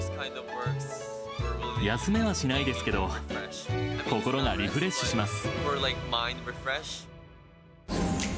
休めはしないですけど、心がリフレッシュします。